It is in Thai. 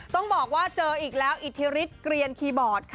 ต้องบอกว่าเจออีกแล้วอิทธิฤทธิเกลียนคีย์บอร์ดค่ะ